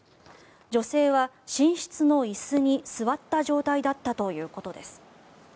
女性は寝室の椅子に座った状態だったということです。